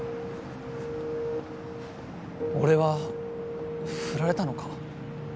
俺は振られたのか？